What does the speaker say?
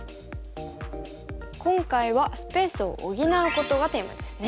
今回はスペースを補うことがテーマですね。